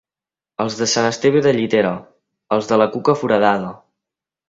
Els de Sant Esteve de Llitera, els de la cuca foradada.